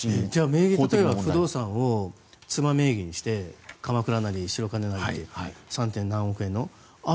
名義というのは不動産を妻名義にして鎌倉なり白金なり３．何億円の。